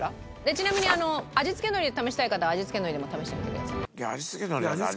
ちなみにあの味付け海苔試したい方は味付け海苔でも試してみてください。